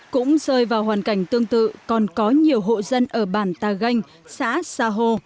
cũng rơi vào hoàn cảnh tương tự còn có nhiều hộ dân ở bản ta ganh xã sa hồ